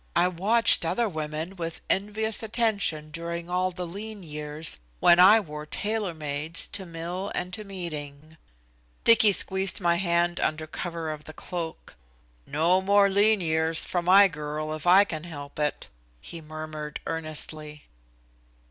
"I've watched other women with envious attention during all the lean years, when I wore tailor mades to mill and to meeting." Dicky squeezed my hand under cover of the cloak. "No more lean years for my girl if I can help it." he murmured earnestly.